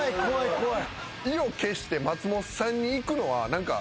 怖い。